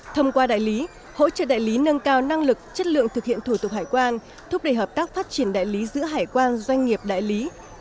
thông qua đại lý hỗ trợ đại lý nâng cao năng lực chất lượng thực hiện thủ tục hải quan thúc đẩy hợp tác phát triển đại lý giữa hải quan doanh nghiệp đại lý